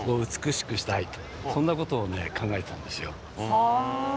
はあ。